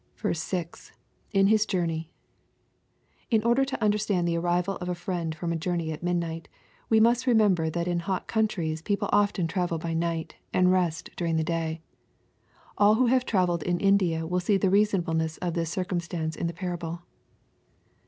6. — [In his journey I\ In order to understand the arrival of a friend from a journey at midnight, we must remember that in hot coun tries people often travel by night, and rest during the day. All who have travelled in India will see the reasonableness of this circumstance in the parable.